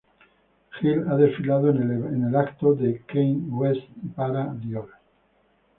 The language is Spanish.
Gill ha desfilado en el evento de Kanye West y para Dior.